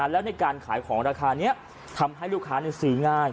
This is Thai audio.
แล้วในการขายของราคานี้ทำให้ลูกค้าซื้อง่าย